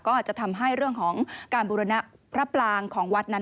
ก็อาจจะทำให้เรื่องของการบุรณะพระปรางของวัดนั้น